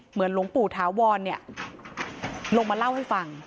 เหมือนหลวงปู่ถาวรเนี่ยลงมาเล่าให้ฟัง